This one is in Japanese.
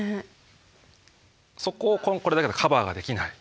そこをこれだけだとカバーができない。